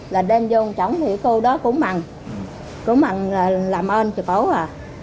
là đem vô trống thì cô đó cũng mặn cũng mặn làm ơn chị bố à